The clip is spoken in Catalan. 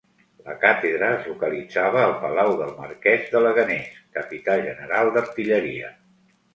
La càtedra es localitzava al Palau del Marquès de Leganés, Capità General d'Artilleria.